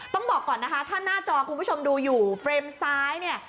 ต้องบอกก่อนนะคะถ้าหน้าจอคุณผู้ชมดูอยู่เฟรมซ้ายเนี่ย